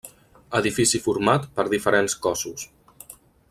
Edifici format per diferents cossos.